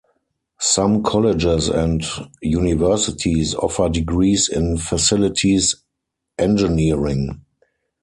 Some colleges and universities offer degrees in facilities engineering.